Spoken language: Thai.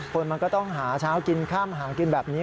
คนมันก็ต้องหาเช้ากินค่ำหากินแบบนี้